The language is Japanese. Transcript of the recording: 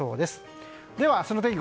では明日の天気